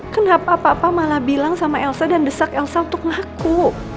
kenapa apa malah bilang sama elsa dan desak elsa untuk ngaku